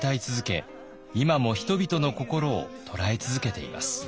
今も人々の心を捉え続けています。